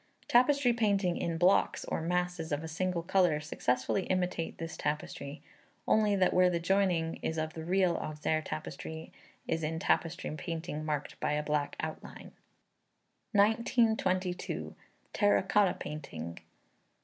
Tapestry painting in blocks or masses of a single colour successfully imitate this tapestry, only that where the joining is of the real Auxerre tapestry is in tapestry painting marked by a black outline. 1922. Terra Cotta Painting.